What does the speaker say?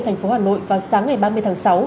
thành phố hà nội vào sáng ngày ba mươi tháng sáu